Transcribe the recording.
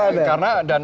tidak kunjung ada